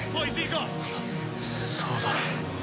そうだ。